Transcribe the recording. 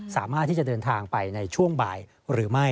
สามารถที่จะเดินทางไปในช่วงบ่ายหรือไม่